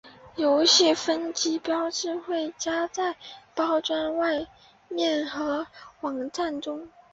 游戏的分级标志会加在包装外面和网站中。